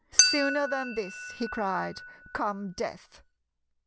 "Sooner than this," he cried, "come death."